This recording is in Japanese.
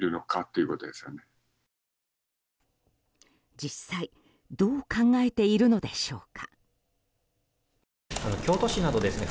実際どう考えているのでしょうか。